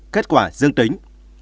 kết quả dương tính